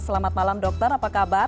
selamat malam dokter apa kabar